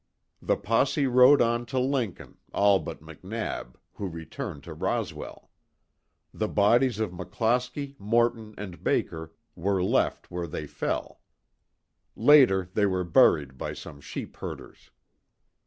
The posse rode on to Lincoln, all but McNab, who returned to Roswell. The bodies of McClosky, Morton and Baker were left where they fell. Later they were buried by some sheep herders.